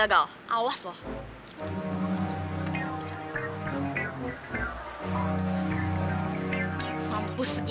udah udah udah semua